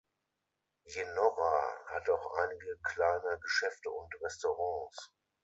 Yennora hat auch einige kleine Geschäfte und Restaurants.